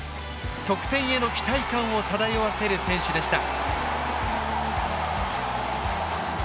得点への期待感を漂わせる選手でした。